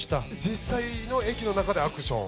実際の駅の中でアクション？